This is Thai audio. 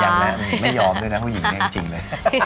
ยังนะไม่ยอมด้วยนะผู้หญิงเนี่ยจริงเลย